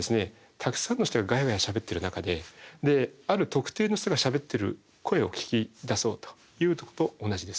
たくさんの人がガヤガヤしゃべってる中である特定の人がしゃべってる声を聞き出そうという時と同じです。